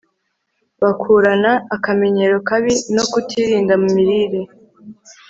bakurana akamenyero kabi no kutirinda mu mirire